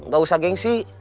gak usah gengsi